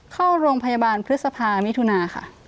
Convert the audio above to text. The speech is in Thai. เข้าโรงพยาบาลพฤษภามิถุนาค่ะ